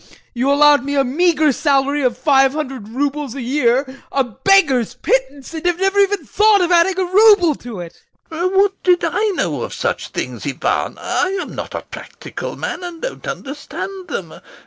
You allowed me a meagre salary of five hundred roubles a year, a beggar's pittance, and have never even thought of adding a rouble to it. SEREBRAKOFF. What did I know about such things, Ivan? I am not a practical man and don't understand them.